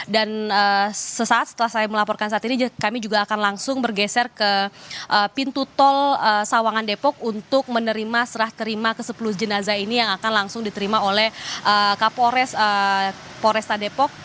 dan sesaat setelah saya melaporkan saat ini kami juga akan langsung bergeser ke pintu tol sawangan depok untuk menerima serah terima ke sepuluh jenazah ini yang akan langsung diterima oleh kapolres poresta depok